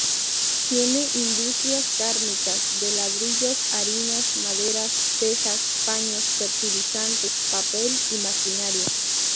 Tiene industrias cárnicas, de ladrillos, harinas, maderas, tejas, paños, fertilizantes, papel y maquinaria.